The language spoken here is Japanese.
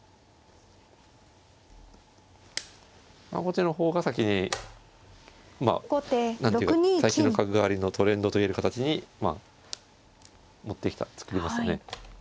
後手の方が先に何ていうか最近の角換わりのトレンドと言える形にまあもってきた作りましたね。